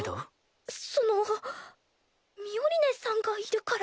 そのミオリネさんがいるから。